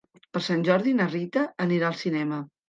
Per Sant Jordi na Rita anirà al cinema.